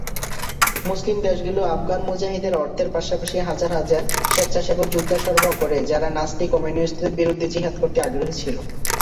মুসলিম দেশগুলো আফগান মুজাহিদদের অর্থের পাশাপাশি হাজার হাজার স্বেচ্ছাসেবক যোদ্ধা সরবরাহ করে, যারা "নাস্তিক" কমিউনিস্টদের বিরুদ্ধে "জিহাদ" করতে আগ্রহী ছিল।